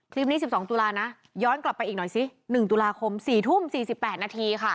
คลิปนี้สิบสองตุลานะย้อนกลับไปอีกหน่อยสิหนึ่งตุลาคมสี่ทุ่มสี่สิบแปดนาทีค่ะ